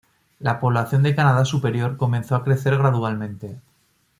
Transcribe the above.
La población de Canadá Superior comenzó a crecer gradualmente.